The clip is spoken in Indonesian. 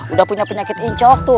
udah punya penyakit incok tuh